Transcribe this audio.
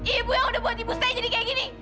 ibu yang udah buat ibu saya jadi kayak gini